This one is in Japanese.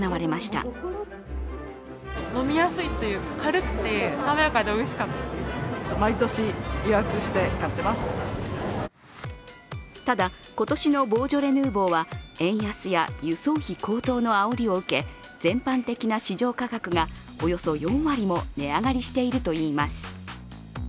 ただ、今年のボージョレ・ヌーボーは円安や輸送費高騰のあおりを受け全般的な市場価格がおよそ４割も値上がりしているといいます。